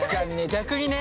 逆にね。